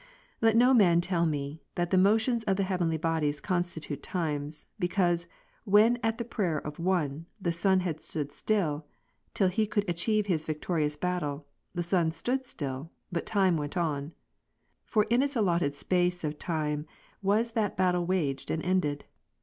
Let no man then tell me, that the motions of the heavenly bodies constitute times, because, when at the prayer of one, the sun had stood still, Jos. 10. till he could achieve his victorious battle, the sun stood still, but time went on. For in its own allotted space of time was that battle waged and ended.